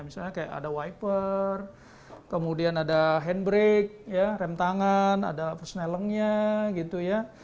misalnya kayak ada wiper kemudian ada handbrake rem tangan ada pusnalengnya gitu ya